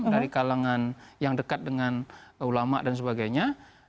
dari kalangan yang dekat dengan ulama dan sebagainya